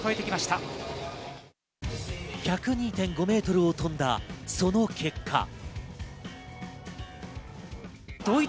１０２．５メートルを飛んだ、その結果。